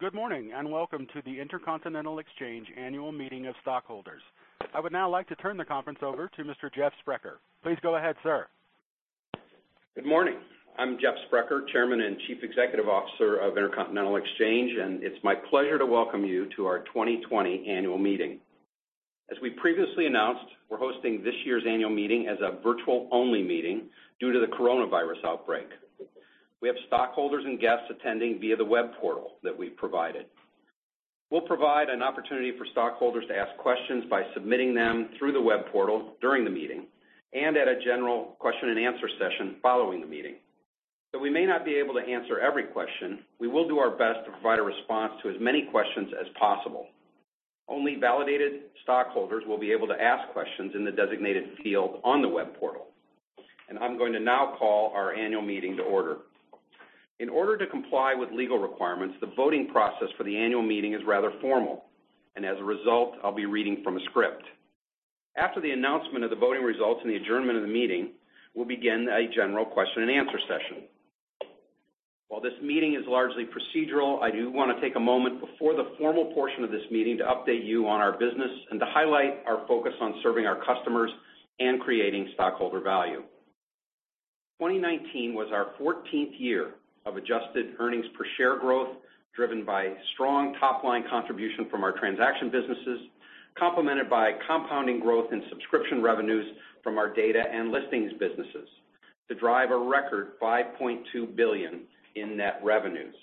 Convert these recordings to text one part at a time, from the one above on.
Good morning, and welcome to the Intercontinental Exchange Annual Meeting of Stockholders. I would now like to turn the conference over to Mr. Jeffrey Sprecher. Please go ahead, sir. Good morning. I'm Jeff Sprecher, Chairman and Chief Executive Officer of Intercontinental Exchange. It's my pleasure to welcome you to our 2020 annual meeting. As we previously announced, we're hosting this year's annual meeting as a virtual-only meeting due to the coronavirus outbreak. We have stockholders and guests attending via the web portal that we've provided. We'll provide an opportunity for stockholders to ask questions by submitting them through the web portal during the meeting and at a general question and answer session following the meeting. Though we may not be able to answer every question, we will do our best to provide a response to as many questions as possible. Only validated stockholders will be able to ask questions in the designated field on the web portal. I'm going to now call our annual meeting to order. In order to comply with legal requirements, the voting process for the annual meeting is rather formal, and as a result, I'll be reading from a script. After the announcement of the voting results and the adjournment of the meeting, we'll begin a general question and answer session. While this meeting is largely procedural, I do want to take a moment before the formal portion of this meeting to update you on our business and to highlight our focus on serving our customers and creating stockholder value. 2019 was our 14th year of adjusted earnings per share growth, driven by strong top-line contribution from our transaction businesses, complemented by compounding growth in subscription revenues from our data and listings businesses to drive a record $5.2 billion in net revenues.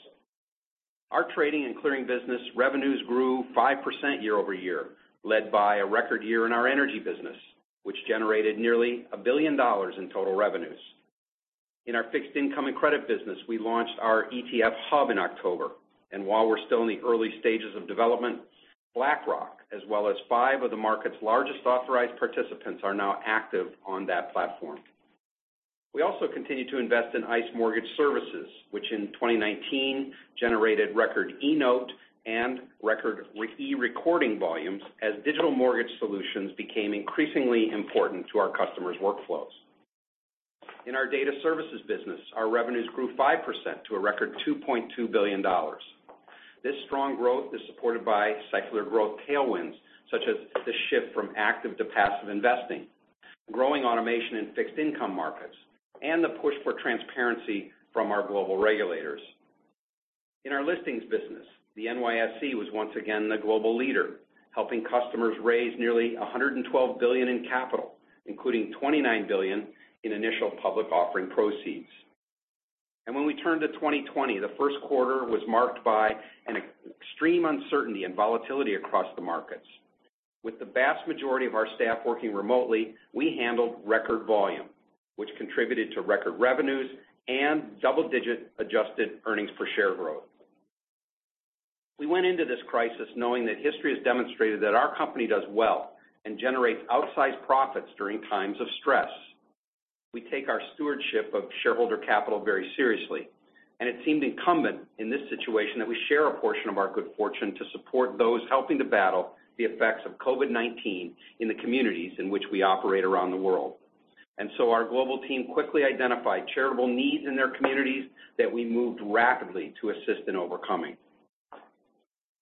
Our trading and clearing business revenues grew 5% year-over-year, led by a record year in our energy business, which generated nearly $1 billion in total revenues. In our fixed income and credit business, we launched our ICE ETF Hub in October, and while we're still in the early stages of development, BlackRock, as well as five of the market's largest authorized participants, are now active on that platform. We also continue to invest in ICE Mortgage Technology, which in 2019 generated record eNote and record eRecording volumes as digital mortgage solutions became increasingly important to our customers' workflows. In our data services business, our revenues grew 5% to a record $2.2 billion. This strong growth is supported by secular growth tailwinds, such as the shift from active to passive investing, growing automation in fixed income markets, and the push for transparency from our global regulators. In our listings business, the NYSE was once again the global leader, helping customers raise nearly $112 billion in capital, including $29 billion in initial public offering proceeds. When we turn to 2020, the first quarter was marked by an extreme uncertainty and volatility across the markets. With the vast majority of our staff working remotely, we handled record volume, which contributed to record revenues and double-digit adjusted earnings per share growth. We went into this crisis knowing that history has demonstrated that our company does well and generates outsized profits during times of stress. We take our stewardship of shareholder capital very seriously, and it seemed incumbent in this situation that we share a portion of our good fortune to support those helping to battle the effects of COVID-19 in the communities in which we operate around the world. Our global team quickly identified charitable needs in their communities that we moved rapidly to assist in overcoming.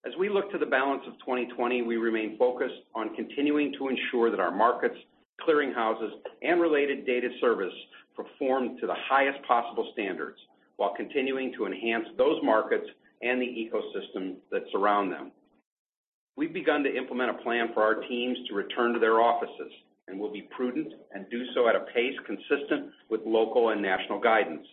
As we look to the balance of 2020, we remain focused on continuing to ensure that our markets, clearing houses, and related data service perform to the highest possible standards while continuing to enhance those markets and the ecosystems that surround them. We've begun to implement a plan for our teams to return to their offices, and we'll be prudent and do so at a pace consistent with local and national guidance.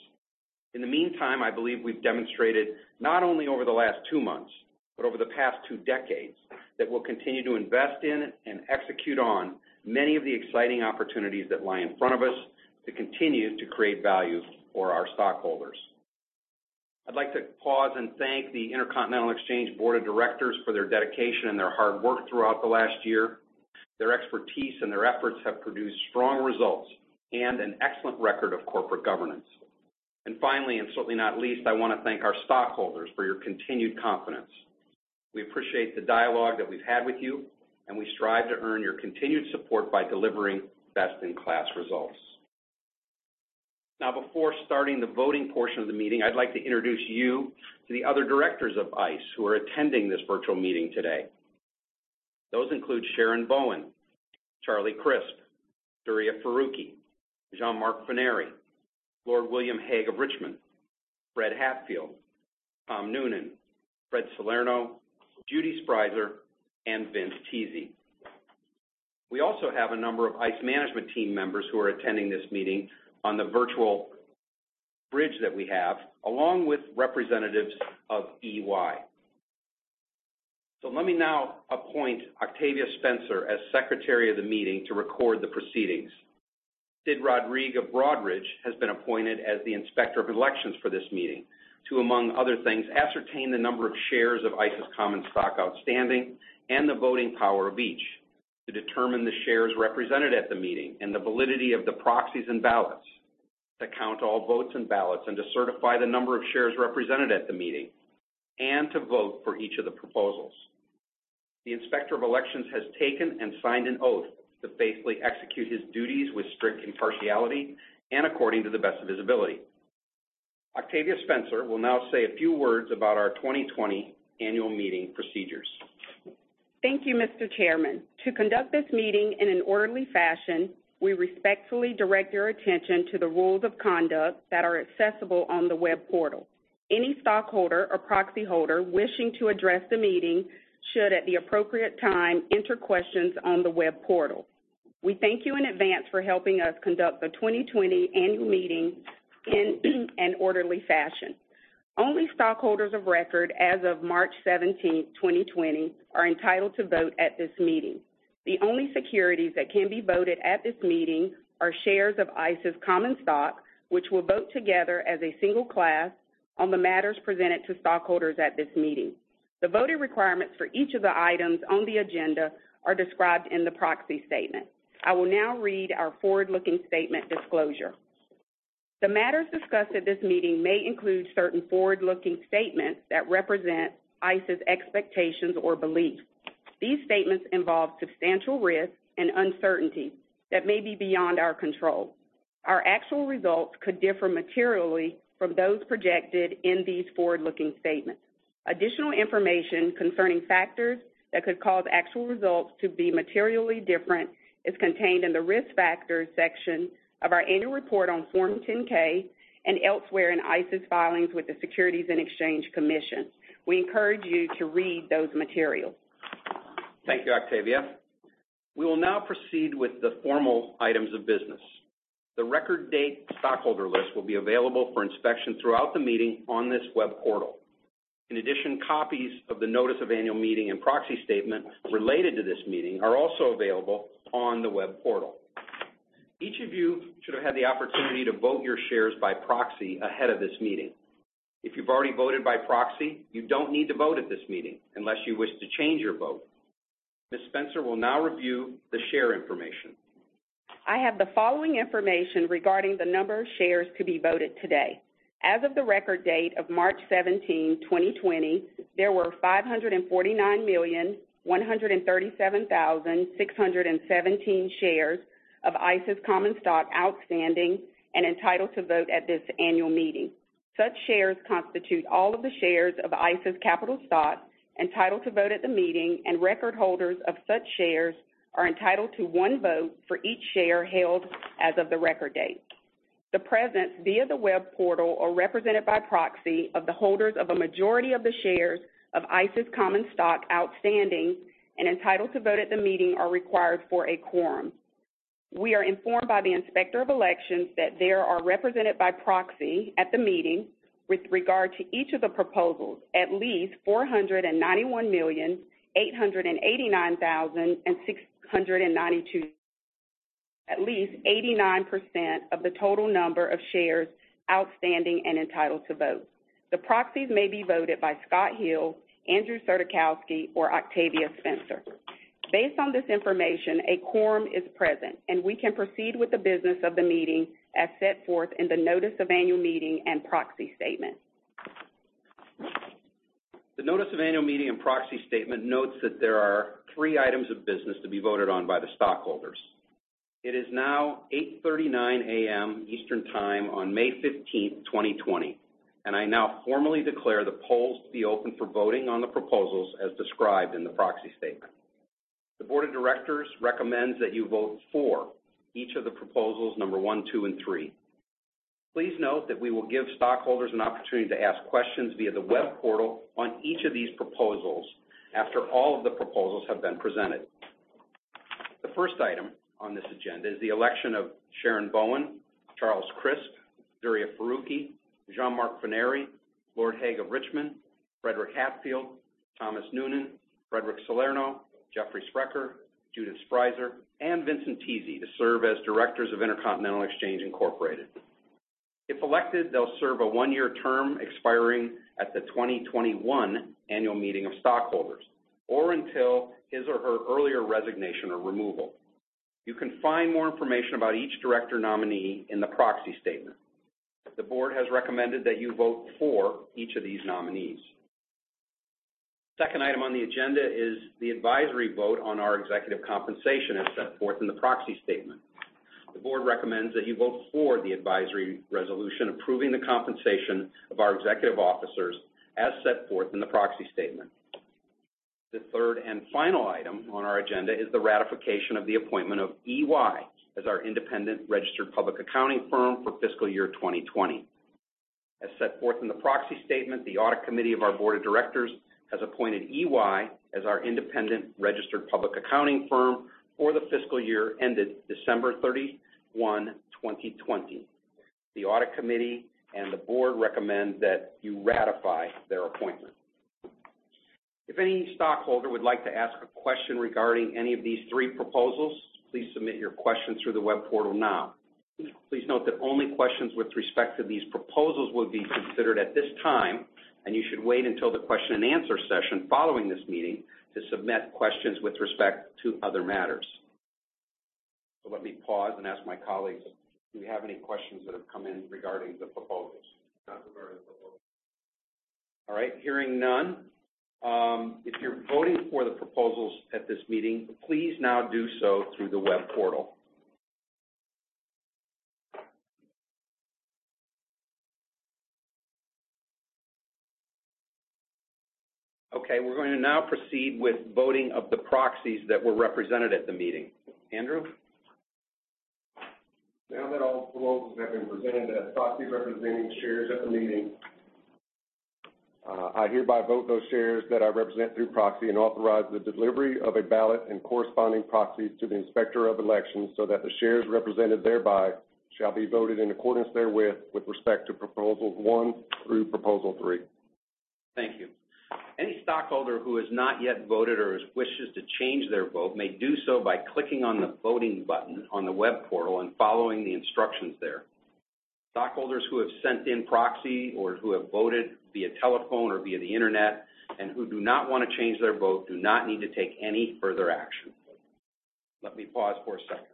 In the meantime, I believe we've demonstrated not only over the last two months, but over the past two decades, that we'll continue to invest in and execute on many of the exciting opportunities that lie in front of us to continue to create value for our stockholders. I'd like to pause and thank the Intercontinental Exchange Board of Directors for their dedication and their hard work throughout the last year. Their expertise and their efforts have produced strong results and an excellent record of corporate governance. Finally, and certainly not least, I want to thank our stockholders for your continued confidence. We appreciate the dialogue that we've had with you, and we strive to earn your continued support by delivering best-in-class results. Now, before starting the voting portion of the meeting, I'd like to introduce you to the other directors of ICE who are attending this virtual meeting today. Those include Sharon Bowen, Charlie Crisp, Duriya Farooqui, Jean-Marc Forneri, Lord William Hague of Richmond, Frederick Hatfield, Tom Noonan, Fred Salerno, Judy Sprieser, and Vince Tese. We also have a number of ICE management team members who are attending this meeting on the virtual bridge that we have, along with representatives of EY. Let me now appoint Octavia Spencer as Secretary of the meeting to record the proceedings. Sid Rodrigue of Broadridge has been appointed as the Inspector of Elections for this meeting to, among other things, ascertain the number of shares of ICE's common stock outstanding and the voting power of each, to determine the shares represented at the meeting and the validity of the proxies and ballots, to count all votes and ballots, and to certify the number of shares represented at the meeting, and to vote for each of the proposals. The Inspector of Elections has taken and signed an oath to faithfully execute his duties with strict impartiality and according to the best of his ability. Octavia Spencer will now say a few words about our 2020 annual meeting procedures. Thank you, Mr. Chairman. To conduct this meeting in an orderly fashion, we respectfully direct your attention to the rules of conduct that are accessible on the web portal. Any stockholder or proxy holder wishing to address the meeting should, at the appropriate time, enter questions on the web portal. We thank you in advance for helping us conduct the 2020 annual meeting in an orderly fashion. Only stockholders of record as of March 17th, 2020, are entitled to vote at this meeting. The only securities that can be voted at this meeting are shares of ICE's common stock, which will vote together as a single class on the matters presented to stockholders at this meeting. The voting requirements for each of the items on the agenda are described in the proxy statement. I will now read our forward-looking statement disclosure. The matters discussed at this meeting may include certain forward-looking statements that represent ICE's expectations or beliefs. These statements involve substantial risks and uncertainties that may be beyond our control. Our actual results could differ materially from those projected in these forward-looking statements. Additional information concerning factors that could cause actual results to be materially different is contained in the Risk Factors section of our annual report on Form 10-K and elsewhere in ICE's filings with the Securities and Exchange Commission. We encourage you to read those materials. Thank you, Octavia. We will now proceed with the formal items of business. The record date stockholder list will be available for inspection throughout the meeting on this web portal. In addition, copies of the notice of annual meeting and proxy statement related to this meeting are also available on the web portal. Each of you should have had the opportunity to vote your shares by proxy ahead of this meeting. If you've already voted by proxy, you don't need to vote at this meeting unless you wish to change your vote. Ms. Spencer will now review the share information. I have the following information regarding the number of shares to be voted today. As of the record date of March 17, 2020, there were 549,137,617 shares of ICE's common stock outstanding and entitled to vote at this annual meeting. Such shares constitute all of the shares of ICE's capital stock entitled to vote at the meeting, and record holders of such shares are entitled to one vote for each share held as of the record date. The presence via the web portal or represented by proxy of the holders of a majority of the shares of ICE's common stock outstanding and entitled to vote at the meeting are required for a quorum. We are informed by the Inspector of Elections that there are represented by proxy at the meeting with regard to each of the proposals, at least 491,889,692, at least 89% of the total number of shares outstanding and entitled to vote. The proxies may be voted by Scott Hill, Andrew Surdykowski, or Octavia Spencer. Based on this information, a quorum is present, and we can proceed with the business of the meeting as set forth in the notice of annual meeting and proxy statement. The notice of annual meeting and proxy statement notes that there are three items of business to be voted on by the stockholders. It is now 8:39 A.M. Eastern Time on May 15th, 2020, and I now formally declare the polls to be open for voting on the proposals as described in the proxy statement. The board of directors recommends that you vote for each of the proposals, number one, two, and three. Please note that we will give stockholders an opportunity to ask questions via the web portal on each of these proposals after all of the proposals have been presented. The first item on this agenda is the election of Sharon Bowen, Charles Crisp, Duriya Farooqui, Jean-Marc Forneri, Lord Hague of Richmond, Frederick Hatfield, Thomas Noonan, Frederic Salerno, Jeffrey Sprecher, Judith Sprieser, and Vincent Tese to serve as directors of Intercontinental Exchange, Inc. If elected, they'll serve a one-year term expiring at the 2021 annual meeting of stockholders or until his or her earlier resignation or removal. You can find more information about each director nominee in the proxy statement. The board has recommended that you vote for each of these nominees. Second item on the agenda is the advisory vote on our executive compensation as set forth in the proxy statement. The board recommends that you vote for the advisory resolution approving the compensation of our executive officers as set forth in the proxy statement. The third and final item on our agenda is the ratification of the appointment of EY as our independent registered public accounting firm for fiscal year 2020. As set forth in the proxy statement, the audit committee of our board of directors has appointed EY as our independent registered public accounting firm for the fiscal year ended December 31, 2020. The audit committee and the board recommend that you ratify their appointment. If any stockholder would like to ask a question regarding any of these three proposals, please submit your question through the web portal now. Please note that only questions with respect to these proposals will be considered at this time, and you should wait until the question and answer session following this meeting to submit questions with respect to other matters. Let me pause and ask my colleagues if we have any questions that have come in regarding the proposals? Not regarding the proposals. All right. Hearing none, if you're voting for the proposals at this meeting, please now do so through the web portal. Okay, we're going to now proceed with voting of the proxies that were represented at the meeting. Andrew? Now that all the proposals have been presented as proxy representing shares at the meeting, I hereby vote those shares that I represent through proxy and authorize the delivery of a ballot and corresponding proxies to the Inspector of Elections so that the shares represented thereby shall be voted in accordance therewith with respect to Proposal 1 through Proposal 3. Thank you. Any stockholder who has not yet voted or wishes to change their vote may do so by clicking on the voting button on the web portal and following the instructions there. Stockholders who have sent in proxy or who have voted via telephone or via the internet and who do not want to change their vote do not need to take any further action. Let me pause for a second.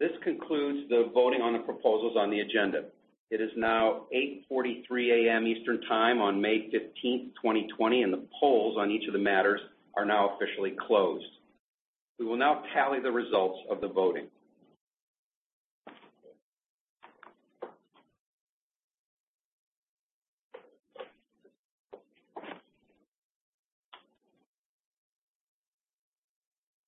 This concludes the voting on the proposals on the agenda. It is now 8:43 AM Eastern Time on May 15th, 2020, and the polls on each of the matters are now officially closed. We will now tally the results of the voting.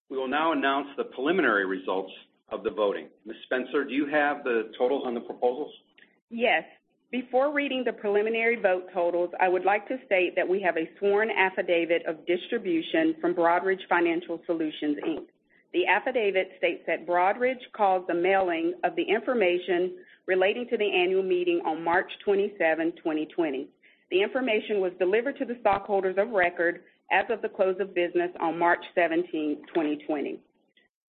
We will now announce the preliminary results of the voting. Ms. Spencer, do you have the totals on the proposals? Yes. Before reading the preliminary vote totals, I would like to state that we have a sworn affidavit of distribution from Broadridge Financial Solutions, Inc. The affidavit states that Broadridge caused the mailing of the information relating to the annual meeting on March 27, 2020. The information was delivered to the stockholders of record as of the close of business on March 17, 2020.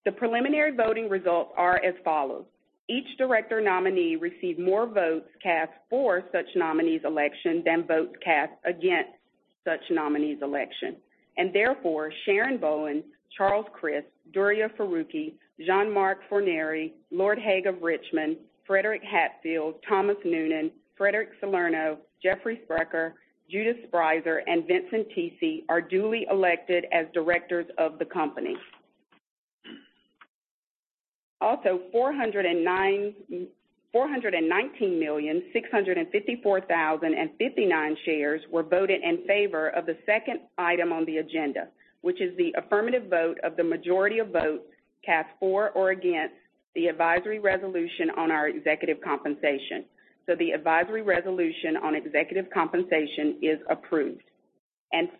The preliminary voting results are as follows. Each director nominee received more votes cast for such nominee's election than votes cast against such nominee's election. And therefore, Sharon Bowen, Charles Crisp, Duriya Farooqui, Jean-Marc Forneri, Lord Hague of Richmond, Frederick Hatfield, Thomas Noonan, Frederic Salerno, Jeffrey Sprecher, Judith Sprieser, and Vincent Tese are duly elected as directors of the company. Also, 419,654,059 shares were voted in favor of the second item on the agenda, which is the affirmative vote of the majority of votes cast for or against the advisory resolution on our executive compensation. The advisory resolution on executive compensation is approved.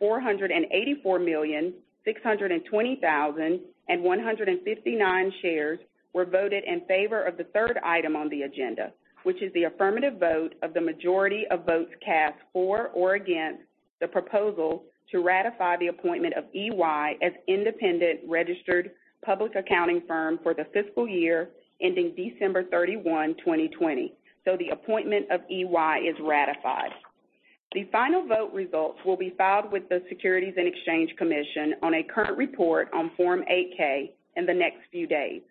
484,620,159 shares were voted in favor of the third item on the agenda, which is the affirmative vote of the majority of votes cast for or against the proposal to ratify the appointment of EY as independent registered public accounting firm for the fiscal year ending December 31, 2020. The appointment of EY is ratified. The final vote results will be filed with the Securities and Exchange Commission on a current report on Form 8-K in the next few days.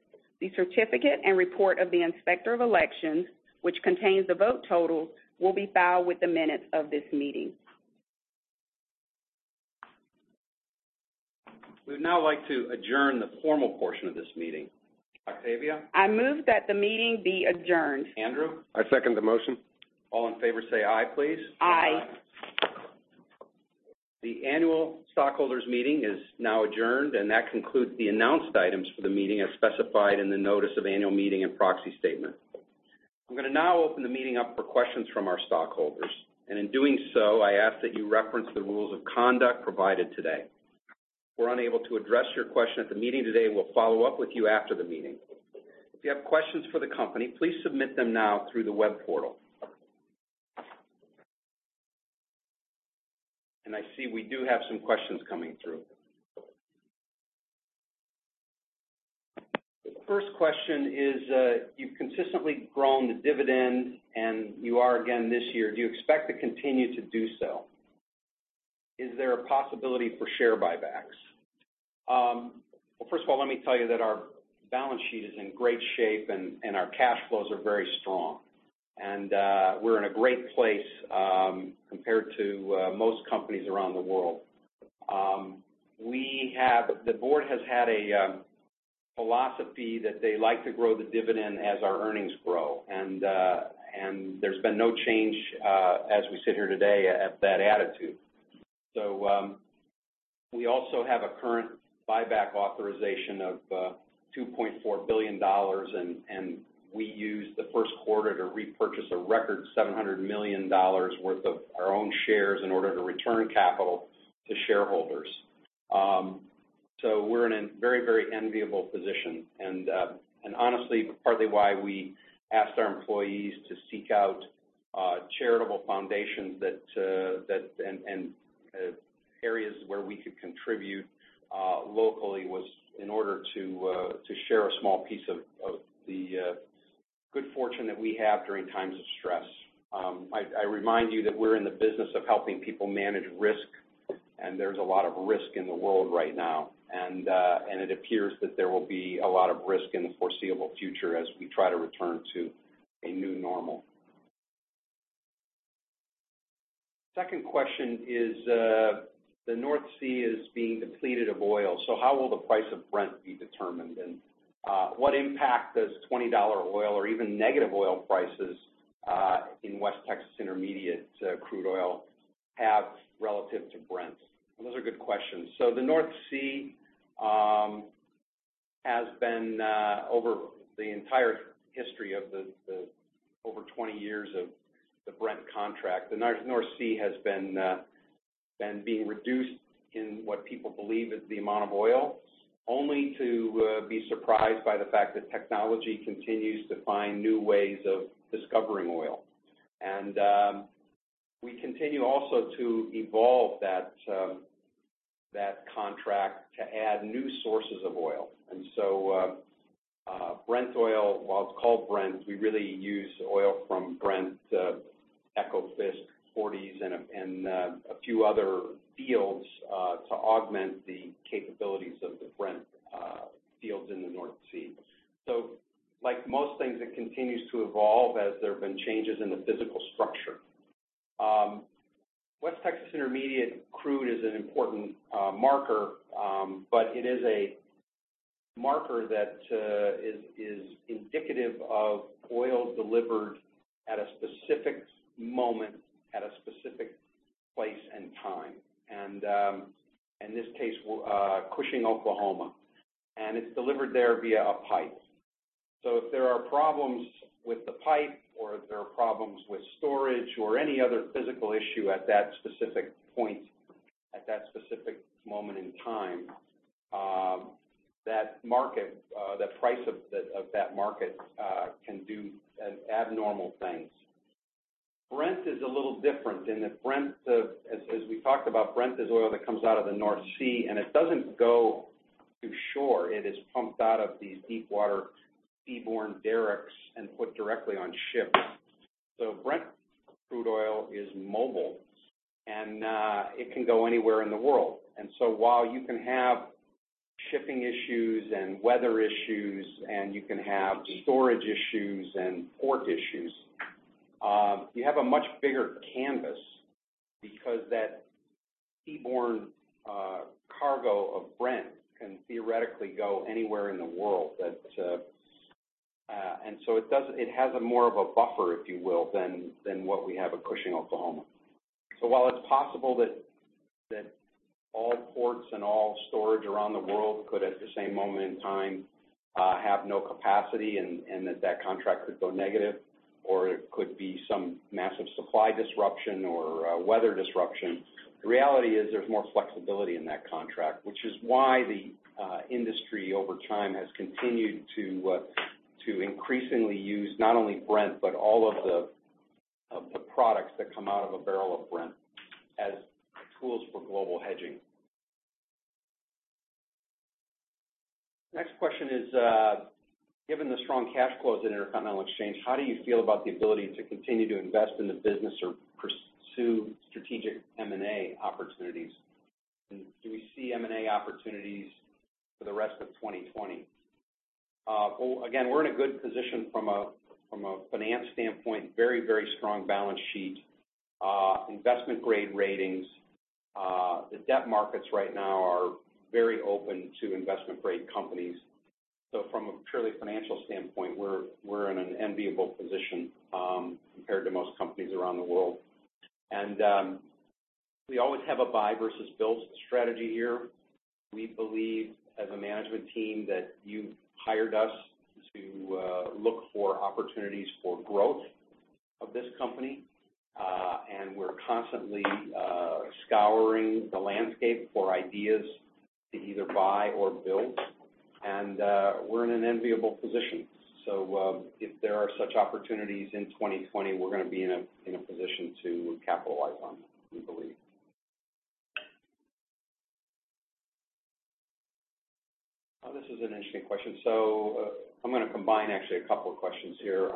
The certificate and report of the Inspector of Elections, which contains the vote totals, will be filed with the minutes of this meeting. We'd now like to adjourn the formal portion of this meeting. Octavia? I move that the meeting be adjourned. Andrew? I second the motion. All in favor say "aye," please. Aye. Aye. The annual stockholders meeting is now adjourned, and that concludes the announced items for the meeting as specified in the notice of annual meeting and proxy statement. I'm going to now open the meeting up for questions from our stockholders, and in doing so, I ask that you reference the rules of conduct provided today. If we're unable to address your question at the meeting today, we'll follow up with you after the meeting. If you have questions for the company, please submit them now through the web portal. I see we do have some questions coming through. The first question is, you've consistently grown the dividend, and you are again this year. Do you expect to continue to do so? Is there a possibility for share buybacks? Well, first of all, let me tell you that our balance sheet is in great shape, our cash flows are very strong. We're in a great place compared to most companies around the world. The board has had a philosophy that they like to grow the dividend as our earnings grow, there's been no change as we sit here today at that attitude. We also have a current buyback authorization of $2.4 billion, we used the first quarter to repurchase a record $700 million worth of our own shares in order to return capital to shareholders. We're in a very, very enviable position, honestly, partly why we asked our employees to seek out charitable foundations that and areas where we could contribute locally was in order to share a small piece of the good fortune that we have during times of stress. I remind you that we're in the business of helping people manage risk, and there's a lot of risk in the world right now. It appears that there will be a lot of risk in the foreseeable future as we try to return to a new normal. Second question is, The North Sea is being depleted of oil, so how will the price of Brent be determined, and what impact does $20 oil, or even negative oil prices in West Texas Intermediate crude oil have relative to Brent? Those are good questions. The North Sea has been, over the entire history of the over 20 years of the Brent contract, the North Sea has been being reduced in what people believe is the amount of oil, only to be surprised by the fact that technology continues to find new ways of discovering oil. We continue also to evolve that contract to add new sources of oil. Brent oil, while it's called Brent, we really use oil from Brent, Ekofisk, Forties, and a few other fields to augment the capabilities of the Brent fields in the North Sea. Like most things, it continues to evolve as there have been changes in the physical structure. West Texas Intermediate crude is an important marker, but it is a marker that is indicative of oil delivered at a specific moment at a specific place and time, and in this case, Cushing, Oklahoma, and it's delivered there via a pipe. If there are problems with the pipe or if there are problems with storage or any other physical issue at that specific point, at that specific moment in time, that price of that market can do abnormal things. Brent is a little different in that Brent, as we talked about, Brent is oil that comes out of the North Sea, and it doesn't go to shore. It is pumped out of these deep water seaborne derricks and put directly on ships. Brent crude oil is mobile, and it can go anywhere in the world. While you can have shipping issues and weather issues, and you can have storage issues and port issues, you have a much bigger canvas because that seaborne cargo of Brent can theoretically go anywhere in the world. It has more of a buffer, if you will, than what we have at Cushing, Oklahoma. While it's possible that all ports and all storage around the world could, at the same moment in time, have no capacity and that contract could go negative, or it could be some massive supply disruption or a weather disruption, the reality is there's more flexibility in that contract, which is why the industry over time has continued to increasingly use not only Brent, but all of the products that come out of a barrel of Brent as tools for global hedging. Next question is, "Given the strong cash flows at Intercontinental Exchange, how do you feel about the ability to continue to invest in the business or pursue strategic M&A opportunities? Do we see M&A opportunities for the rest of 2020?" Again, we're in a good position from a finance standpoint. Very, very strong balance sheet. Investment grade ratings. The debt markets right now are very open to investment grade companies. From a purely financial standpoint, we're in an enviable position compared to most companies around the world. We always have a buy versus build strategy here. We believe, as a management team, that you hired us to look for opportunities for growth of this company, and we're constantly scouring the landscape for ideas to either buy or build. We're in an enviable position. If there are such opportunities in 2020, we're going to be in a position to capitalize on them, we believe. This is an interesting question. I'm going to combine actually a couple of questions here.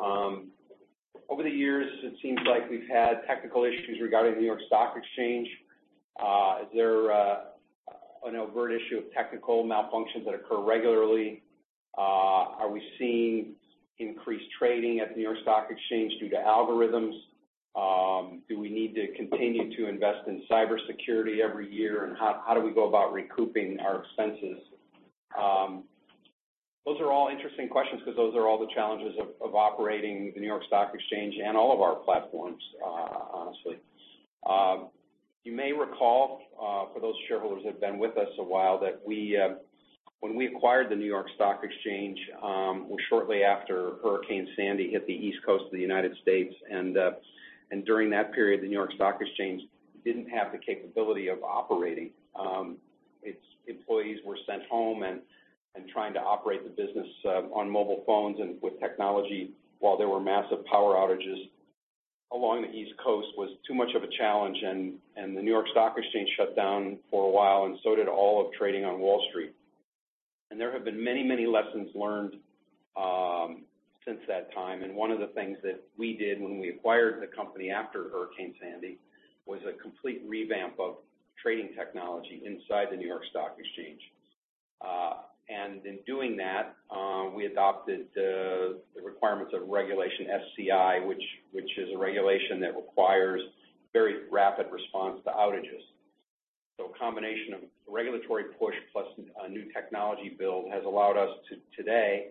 "Over the years, it seems like we've had technical issues regarding the New York Stock Exchange. Is there an overt issue of technical malfunctions that occur regularly? Are we seeing increased trading at the New York Stock Exchange due to algorithms? Do we need to continue to invest in cybersecurity every year? How do we go about recouping our expenses? Those are all interesting questions because those are all the challenges of operating the New York Stock Exchange and all of our platforms, honestly. You may recall, for those shareholders that have been with us a while, that when we acquired the New York Stock Exchange, it was shortly after Hurricane Sandy hit the East Coast of the United States. During that period, the New York Stock Exchange didn't have the capability of operating. Its employees were sent home and trying to operate the business on mobile phones and with technology while there were massive power outages along the East Coast was too much of a challenge, and the New York Stock Exchange shut down for a while. So did all of trading on Wall Street. There have been many lessons learned since that time. One of the things that we did when we acquired the company after Hurricane Sandy was a complete revamp of trading technology inside the New York Stock Exchange. In doing that, we adopted the requirements of Regulation SCI, which is a regulation that requires very rapid response to outages. A combination of regulatory push plus a new technology build has allowed us to today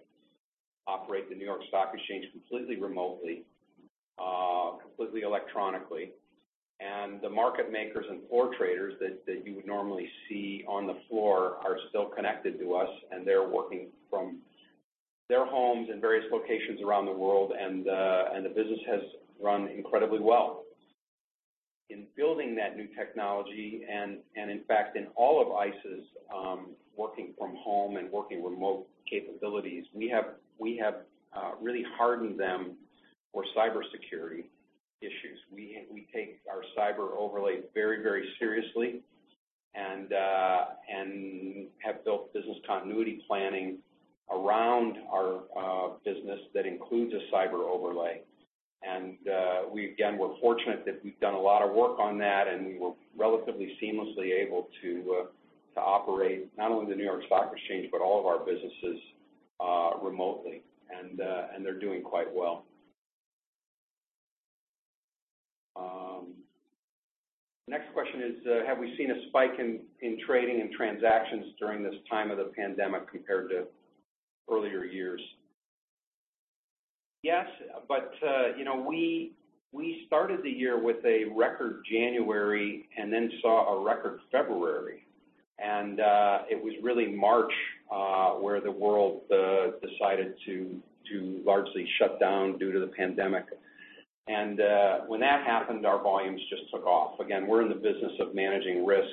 operate the New York Stock Exchange completely remotely, completely electronically. The market makers and floor traders that you would normally see on the floor are still connected to us, and they're working from their homes and various locations around the world, and the business has run incredibly well. In building that new technology, and in fact, in all of ICE's working from home and working remote capabilities, we have really hardened them for cybersecurity issues. We take our cyber overlay very, very seriously and have built business continuity planning around our business that includes a cyber overlay. Again, we're fortunate that we've done a lot of work on that, and we were relatively seamlessly able to operate not only the New York Stock Exchange, but all of our businesses remotely. They're doing quite well. The next question is, have we seen a spike in trading and transactions during this time of the pandemic compared to earlier years? Yes, we started the year with a record January and then saw a record February. It was really March where the world decided to largely shut down due to the pandemic. When that happened, our volumes just took off. Again, we're in the business of managing risk,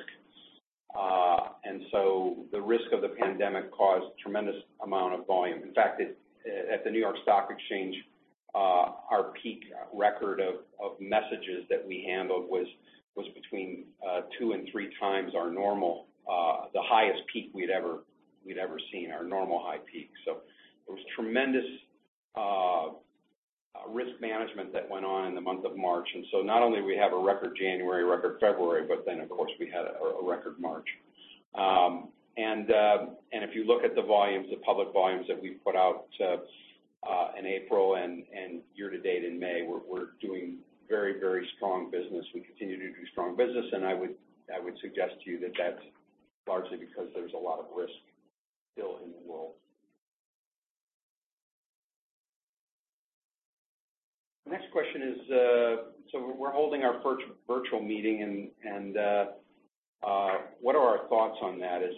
the risk of the pandemic caused a tremendous amount of volume. In fact, at the New York Stock Exchange, our peak record of messages that we handled was between two and three times our normal, the highest peak we'd ever seen, our normal high peak. It was tremendous risk management that went on in the month of March. Not only we have a record January, record February, of course, we had a record March. If you look at the volumes, the public volumes that we've put out in April and year to date in May, we're doing very, very strong business. We continue to do strong business. I would suggest to you that that's largely because there's a lot of risk still in the world. The next question is, we're holding our first virtual meeting and what are our thoughts on that? Is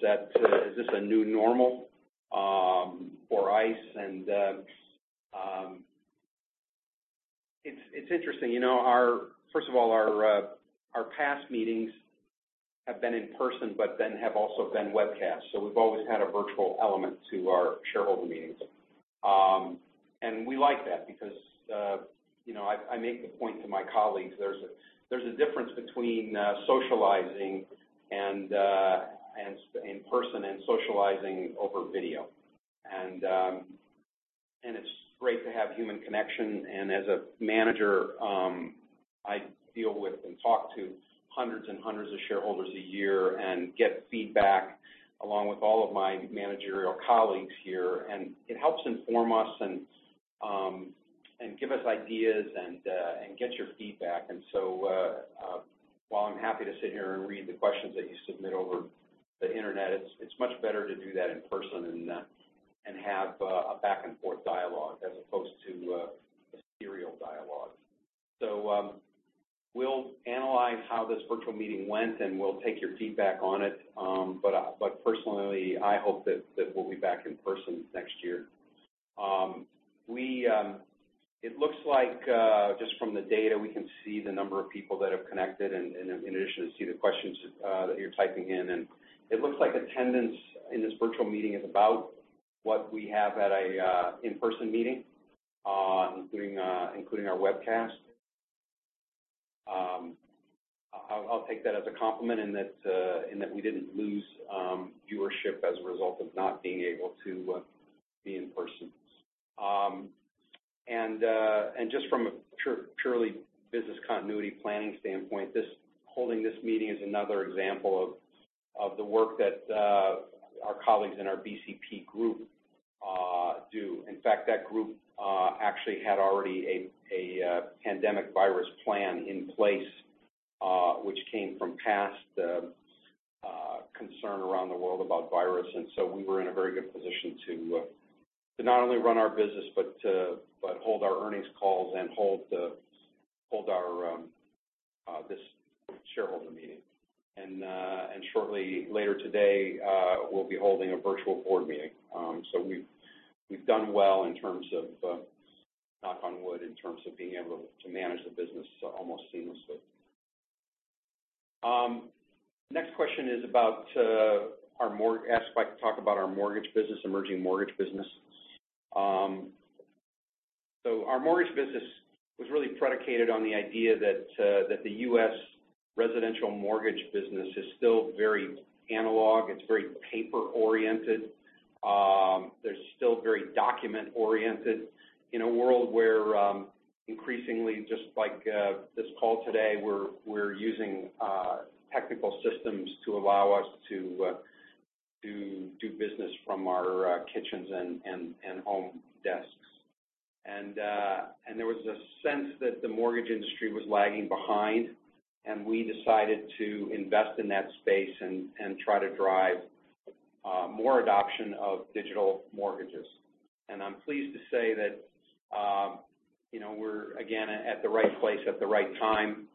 this a new normal for ICE? It's interesting. First of all, our past meetings have been in person, have also been webcast. We've always had a virtual element to our shareholder meetings. We like that because I make the point to my colleagues, there's a difference between socializing in person and socializing over video. It's great to have human connection, and as a manager, I deal with and talk to hundreds and hundreds of shareholders a year and get feedback along with all of my managerial colleagues here. It helps inform us and give us ideas and get your feedback. While I'm happy to sit here and read the questions that you submit over the Internet, it's much better to do that in person and have a back-and-forth dialogue as opposed to a serial dialogue. We'll analyze how this virtual meeting went, and we'll take your feedback on it. Personally, I hope that we'll be back in person next year. It looks like just from the data, we can see the number of people that have connected and in addition, see the questions that you're typing in, and it looks like attendance in this virtual meeting is about what we have at an in-person meeting, including our webcast. I'll take that as a compliment in that we didn't lose viewership as a result of not being able to be in person. Just from a purely business continuity planning standpoint, holding this meeting is another example of the work that our colleagues in our BCP group do. In fact, that group actually had already a pandemic virus plan in place, which came from past concern around the world about virus. We were in a very good position to not only run our business but hold our earnings calls and hold this shareholder meeting. Shortly later today, we'll be holding a virtual board meeting. We've done well, knock on wood, in terms of being able to manage the business almost seamlessly. Next question asked if I could talk about our emerging mortgage business. Our mortgage business was really predicated on the idea that the U.S. residential mortgage business is still very analog. It's very paper-oriented. They're still very document-oriented in a world where increasingly, just like this call today, we're using technical systems to allow us to do business from our kitchens and home desks. There was a sense that the mortgage industry was lagging behind, and we decided to invest in that space and try to drive more adoption of digital mortgages. I'm pleased to say that we're again at the right place at the right time.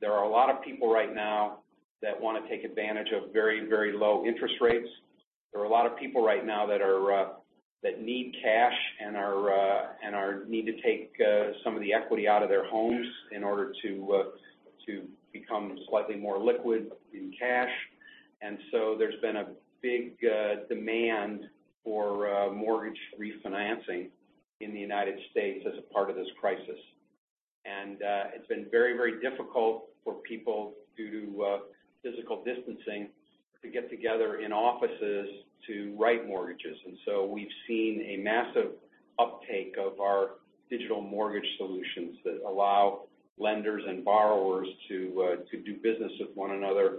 There are a lot of people right now that want to take advantage of very, very low interest rates. There are a lot of people right now that need cash and need to take some of the equity out of their homes in order to become slightly more liquid in cash. There's been a big demand for mortgage refinancing in the United States as a part of this crisis. It's been very, very difficult for people, due to physical distancing, to get together in offices to write mortgages. We've seen a massive uptake of our digital mortgage solutions that allow lenders and borrowers to do business with one another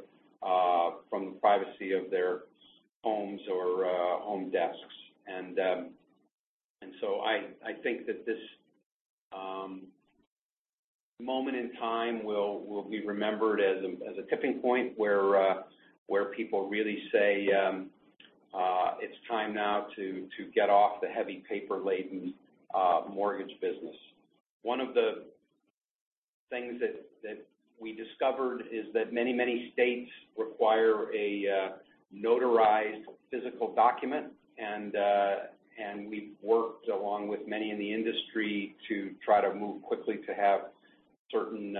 from the privacy of their homes or home desks. I think that this moment in time will be remembered as a tipping point where people really say, "It's time now to get off the heavy paper-laden mortgage business." One of the things that we discovered is that many, many states require a notarized physical document. We've worked along with many in the industry to try to move quickly to have certain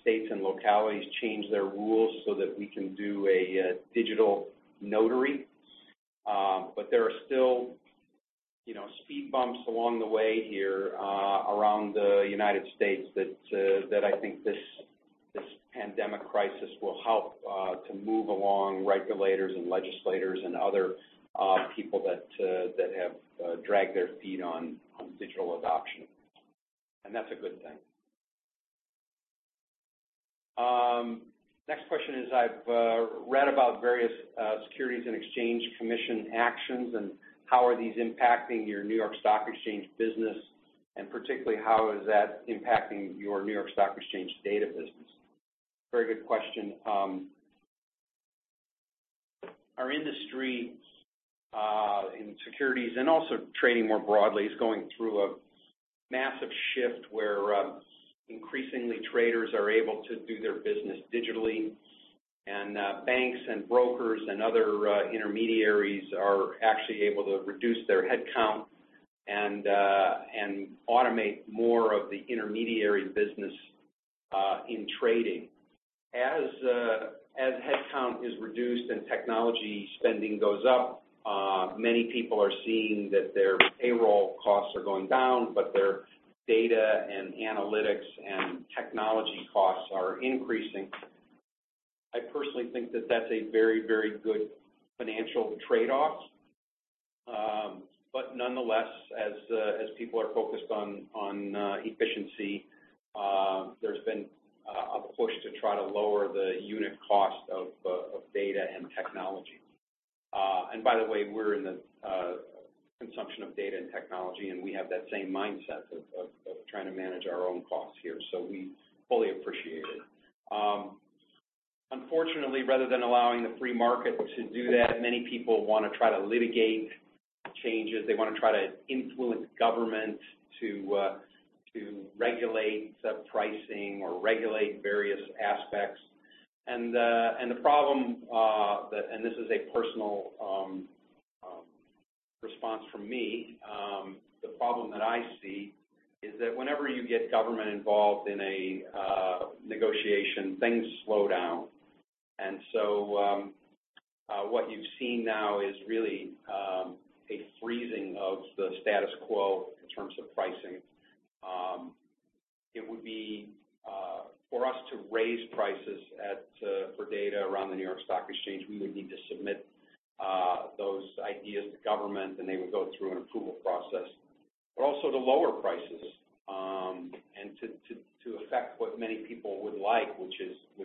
states and localities change their rules so that we can do a digital notary. There are still speed bumps along the way here around the U.S. that I think this pandemic crisis will help to move along regulators and legislators and other people that have dragged their feet on digital adoption. That's a good thing. Next question is, I've read about various Securities and Exchange Commission actions, and how are these impacting your New York Stock Exchange business? Particularly, how is that impacting your New York Stock Exchange data business? Very good question. Our industry in securities, and also trading more broadly, is going through a massive shift where increasingly traders are able to do their business digitally. Banks and brokers and other intermediaries are actually able to reduce their headcount and automate more of the intermediary business in trading. As headcount is reduced and technology spending goes up, many people are seeing that their payroll costs are going down, but their data and analytics and technology costs are increasing. I personally think that that's a very, very good financial trade-off. Nonetheless, as people are focused on efficiency, there's been a push to try to lower the unit cost of data and technology. By the way, we're in the consumption of data and technology, and we have that same mindset of trying to manage our own costs here. We fully appreciate it. Unfortunately, rather than allowing the free market to do that, many people want to try to litigate changes. They want to try to influence government to regulate SIP pricing or regulate various aspects. This is a personal response from me. The problem that I see is that whenever you get government involved in a negotiation, things slow down. What you've seen now is really a freezing of the status quo in terms of pricing. For us to raise prices for data around the New York Stock Exchange, we would need to submit those ideas to government, and they would go through an approval process. Also to lower prices, and to affect what many people would like, which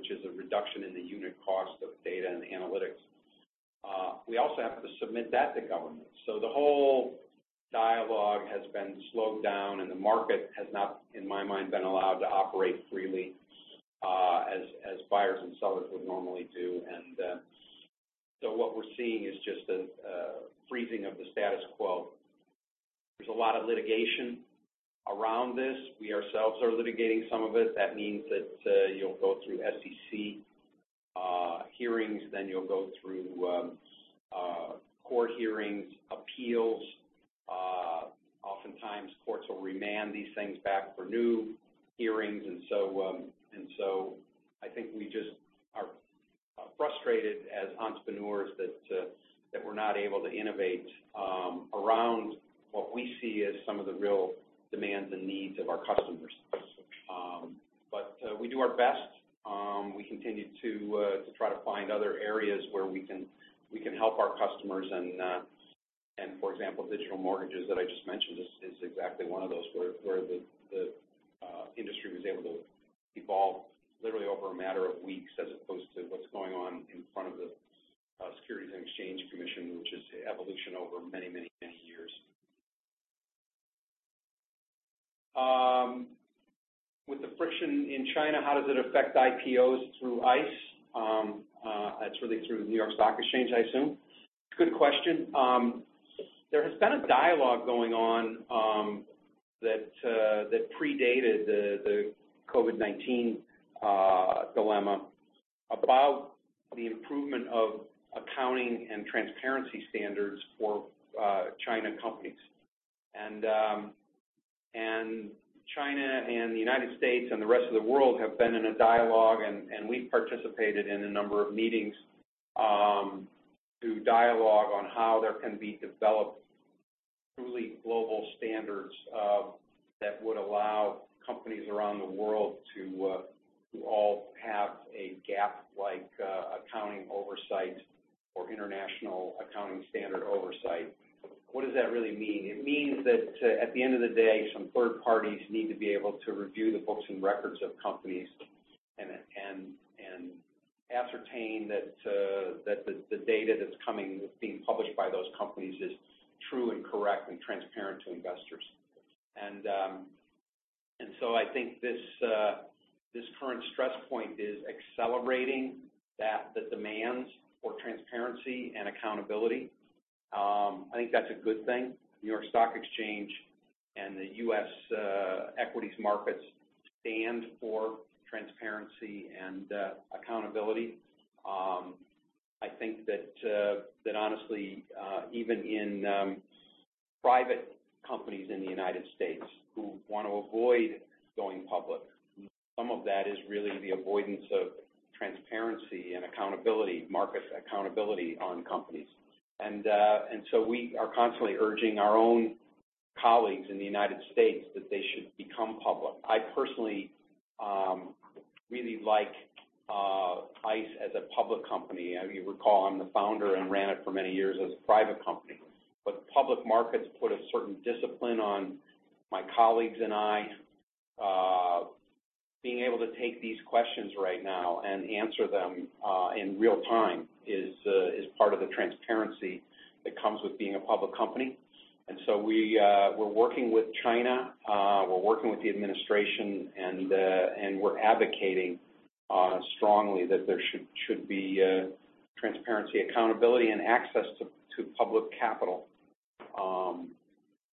is a reduction in the unit cost of data and analytics. We also have to submit that to government. The whole dialogue has been slowed down, and the market has not, in my mind, been allowed to operate freely as buyers and sellers would normally do. What we're seeing is just a freezing of the status quo. There's a lot of litigation around this. We ourselves are litigating some of it. That means that you'll go through SEC hearings, then you'll go through court hearings, appeals. Oftentimes, courts will remand these things back for new hearings. I think we just are frustrated as entrepreneurs that we're not able to innovate around what we see as some of the real demands and needs of our customers. We do our best. We continue to try to find other areas where we can help our customers. For example, digital mortgages that I just mentioned is exactly one of those, where the industry was able to evolve literally over a matter of weeks, as opposed to what's going on in front of the Securities and Exchange Commission, which is evolution over many, many years. With the friction in China, how does it affect IPOs through ICE? That's really through the New York Stock Exchange, I assume. Good question. There has been a dialogue going on that predated the COVID-19 dilemma about the improvement of accounting and transparency standards for China companies. China and the U.S. and the rest of the world have been in a dialogue, and we've participated in a number of meetings to dialogue on how there can be developed truly global standards that would allow companies around the world to all have a GAAP-like accounting oversight or international accounting standard oversight. What does that really mean? It means that at the end of the day, some third parties need to be able to review the books and records of companies and ascertain that the data that's being published by those companies is true and correct and transparent to investors. I think this current stress point is accelerating the demands for transparency and accountability. I think that's a good thing. New York Stock Exchange and the U.S. equities markets stand for transparency and accountability. I think that honestly, even in private companies in the U.S. who want to avoid going public, some of that is really the avoidance of transparency and accountability, market accountability on companies. We are constantly urging our own colleagues in the U.S. that they should become public. I personally really like ICE as a public company. You recall, I'm the founder and ran it for many years as a private company. Public markets put a certain discipline on my colleagues and I. Being able to take these questions right now and answer them in real time is part of the transparency that comes with being a public company. We're working with China, we're working with the Administration, and we're advocating strongly that there should be transparency, accountability, and access to public capital.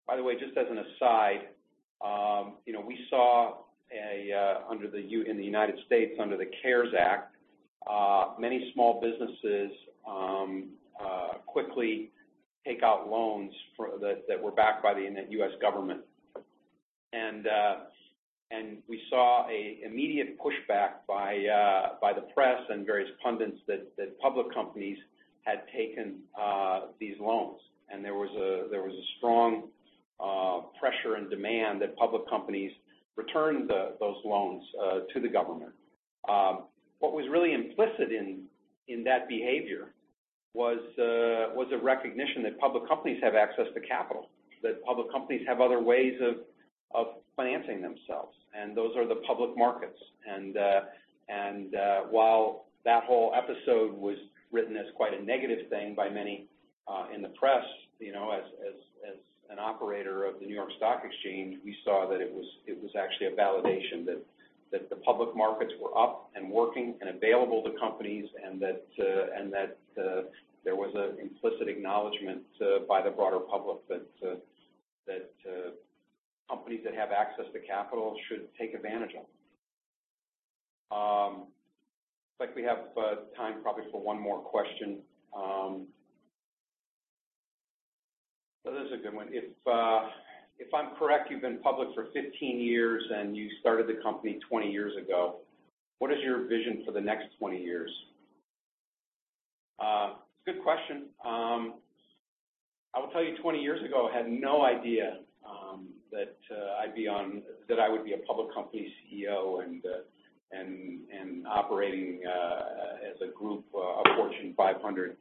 By the way, just as an aside, we saw in the U.S., under the CARES Act, many small businesses quickly take out loans that were backed by the U.S. government. We saw an immediate pushback by the press and various pundits that public companies had taken these loans, and there was a strong pressure and demand that public companies return those loans to the government. What was really implicit in that behavior was a recognition that public companies have access to capital, that public companies have other ways of financing themselves, and those are the public markets. While that whole episode was written as quite a negative thing by many in the press, as an operator of the New York Stock Exchange, we saw that it was actually a validation that the public markets were up and working and available to companies, and that there was an implicit acknowledgment by the broader public that companies that have access to capital should take advantage of it. Looks like we have time probably for one more question. This is a good one. If I'm correct, you've been public for 15 years, and you started the company 20 years ago. What is your vision for the next 20 years? Good question. I will tell you, 20 years ago, I had no idea that I would be a public company CEO and operating as a group, a Fortune 500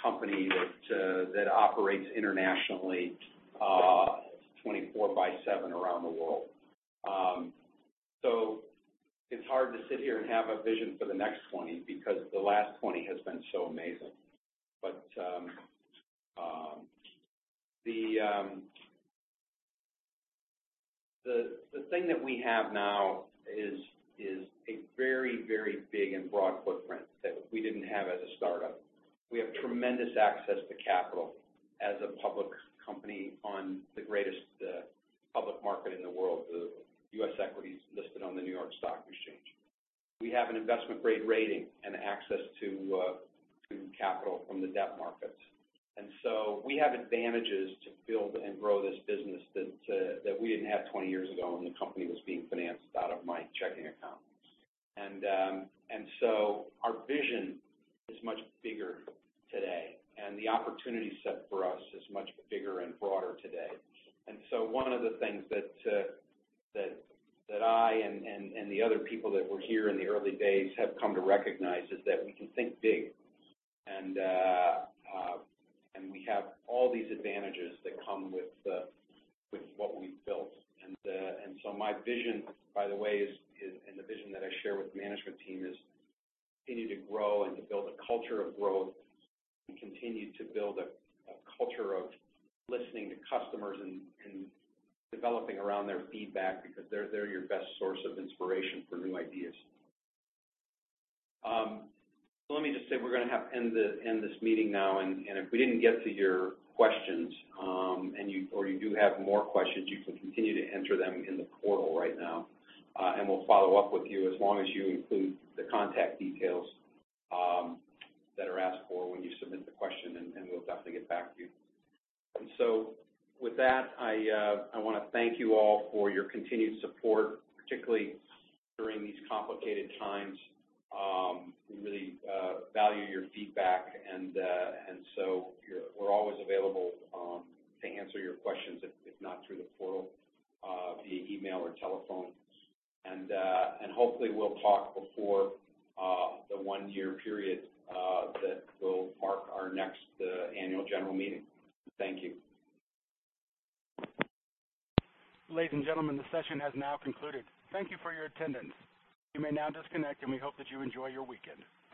company that operates internationally 24 by seven around the world. It's hard to sit here and have a vision for the next 20 because the last 20 has been so amazing. The thing that we have now is a very, very big and broad footprint that we didn't have as a startup. We have tremendous access to capital as a public company on the greatest public market in the world, the U.S. equities listed on the New York Stock Exchange. We have an investment-grade rating and access to capital from the debt markets. We have advantages to build and grow this business that we didn't have 20 years ago when the company was being financed out of my checking account. Our vision is much bigger today, and the opportunity set for us is much bigger and broader today. One of the things that I and the other people that were here in the early days have come to recognize is that we can think big, and we have all these advantages that come with what we've built. My vision, by the way, and the vision that I share with the management team is continue to grow and to build a culture of growth and continue to build a culture of listening to customers and developing around their feedback because they're your best source of inspiration for new ideas. Let me just say we're going to have to end this meeting now, and if we didn't get to your questions or you do have more questions, you can continue to enter them in the portal right now. We'll follow up with you as long as you include the contact details that are asked for when you submit the question, and we'll definitely get back to you. With that, I want to thank you all for your continued support, particularly during these complicated times. We really value your feedback, and so we're always available to answer your questions, if not through the portal, via email or telephone. Hopefully, we'll talk before the one-year period that will mark our next annual general meeting. Thank you. Ladies and gentlemen, the session has now concluded. Thank you for your attendance. You may now disconnect, and we hope that you enjoy your weekend.